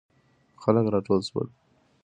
خلک راټول سول.